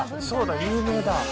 そうだ、有名だ。